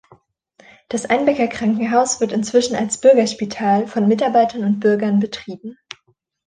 Das Einbecker Krankenhaus wird inzwischen als „Bürgerspital“ von Mitarbeitern und Bürgern betrieben.